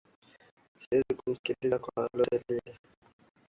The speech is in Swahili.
Siwezi kumsikiliza kwa lolote lile.